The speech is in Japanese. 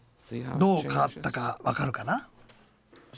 どう変わったか分かるかな？